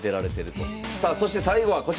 さあそして最後はこちら。